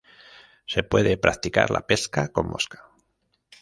Se puede practicar la pesca con mosca.